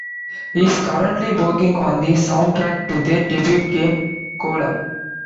He is currently working on the soundtrack to their debut game "Golem".